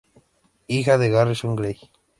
Hija de Harrison Grey.